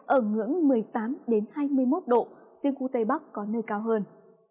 ở ngưỡng một mươi tám hai mươi một độ riêng khu tây bắc có nơi cao hơn